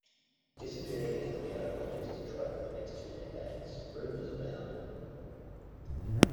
Disappearing into the ghettos of East Detroit for the next two decades, rumors abounded.